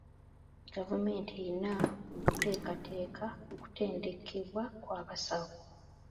Gavumenti eyina okuteekateka okutendekebwa kw'abasawo.